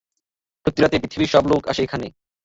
প্রতি রাতে পৃথিবীর সব লোক আসে এখানে।